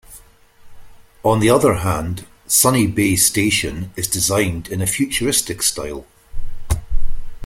On the other hand, Sunny Bay station is designed in a futuristic style.